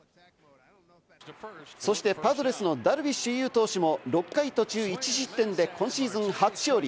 そしてパドレスのダルビッシュ有投手も６回途中１失点で今シーズン初勝利。